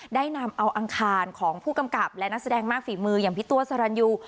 ได้นำเอาอังคารของผู้กำกับและนักแสดงมากฝีมืออย่างพี่ตัวสรรยู